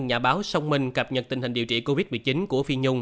nhà báo sông minh cập nhật tình hình điều trị covid một mươi chín của phi nhung